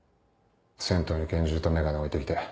銭湯に拳銃と眼鏡置いて来て。